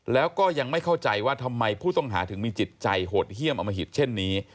แล้วก็ยังไม่เข้าใจว่าทำไมผู้ต้องหาถึงมีจิตใจโหดเยี่ยมอมหิตเช่นนี้